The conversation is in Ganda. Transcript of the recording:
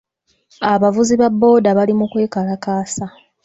Abavuzi ba booda bali mu kwekalakaasa.